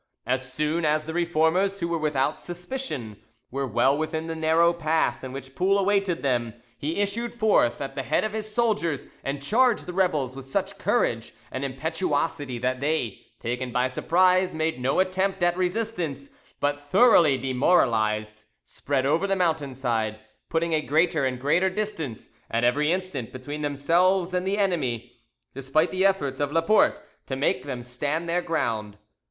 As soon as the Reformers who were without suspicion, were well within the narrow pass in which Poul awaited them, he issued forth at the head of his soldiers, and charged the rebels with such courage and impetuosity that they, taken by surprise, made no attempt at resistance, but, thoroughly demoralised, spread over the mountain side, putting a greater and greater distance at, every instant between themselves and the enemy, despite the efforts of Laporte to make them stand their ground.